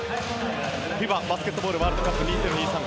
ＦＩＢＡバスケットボールワールドカップ２０２３